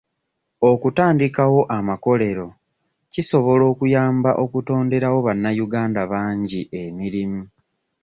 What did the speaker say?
Okutandikawo amakolero kisobola okuyamba okutonderewo bannayuganda bangi emirimu.